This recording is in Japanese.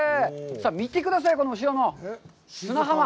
見てくださいよ、後ろの砂浜。